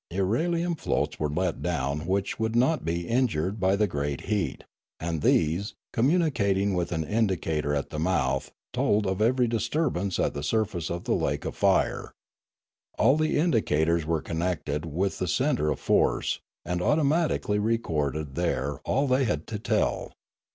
Irelium floats were let down which would not be injured by the great heat, and these, communicating with an indicator at the mouth, told of every disturbance in the surface of the lake of fire. All the indicators were connected \vith the centre of force, and automatically recorded there all they had to tell.